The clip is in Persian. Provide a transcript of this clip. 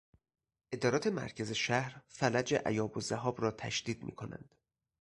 ادارات مرکز شهر فلج ایاب و ذهاب را تشدید میکنند.